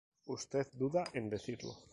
usted duda en decirlo